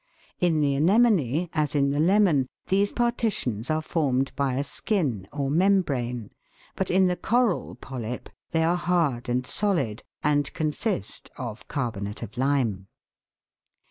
In the anemone, as in the lemon, these partitions are formed by a skin or membrane, but in the coral polyp they are hard and solid, and consist of carbonate of lime.